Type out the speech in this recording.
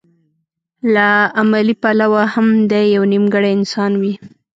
له عملي پلوه هم دی يو نيمګړی انسان وي.